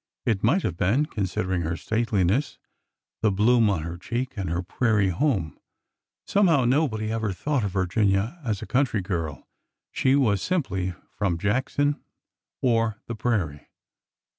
It might have been, considering her stateliness, the bloom on her cheek, and her prairie home. Somehow, nobody ever thought of Virginia as a country girl. She was simply from Jackson '' or the prairie.